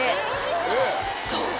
そう。